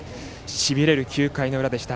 しびれる９回の裏でした。